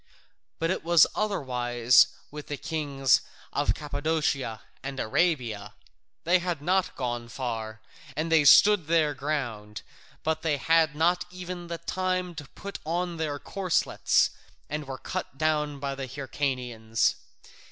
But it was otherwise with the kings of Cappadocia and Arabia; they had not gone far, and they stood their ground, but they had not even time to put on their corslets, and were cut down by the Hyrcanians.